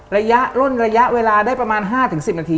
ล่นระยะเวลาได้ประมาณ๕๑๐นาที